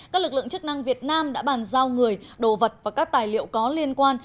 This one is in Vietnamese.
các lực lượng chức năng việt nam đã bàn giao người đồ vật và các tài liệu có liên quan